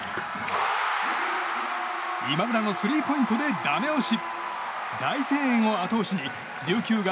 今村のスリーポイントでダメ押し。